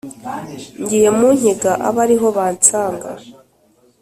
ngiye mu nkiga abe ari ho bansanga,